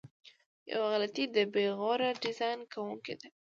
یوه غلطي د بې غوره ډیزاین کوونکو ده.